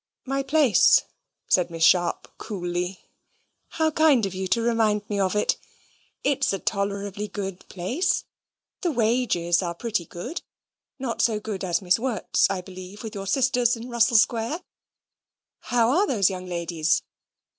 "My place?" said Miss Sharp, coolly, "how kind of you to remind me of it! It's a tolerably good place: the wages are pretty good not so good as Miss Wirt's, I believe, with your sisters in Russell Square. How are those young ladies?